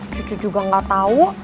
cucu juga nggak tahu